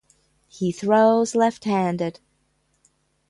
He throws left-handed.